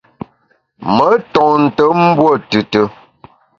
Me ntonte mbuo tùtù.